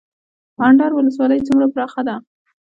اندړ ولسوالۍ څومره پراخه ده؟